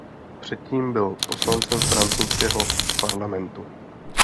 Předtím byl poslancem francouzského parlamentu.